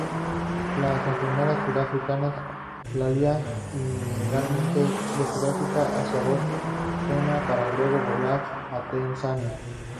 Las enfermeras sudafricanas salía ilegalmente de Sudáfrica hacia Botsuana, para luego volar a Tanzania.